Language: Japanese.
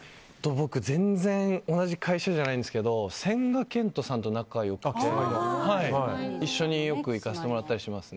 僕、全然同じ会社じゃないんですけど、千賀健永さんと仲が良くて、一緒によく行かせてもらったりします。